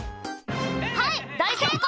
「はい大成功！」